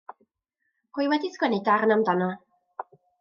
Rwy wedi sgwennu darn amdano.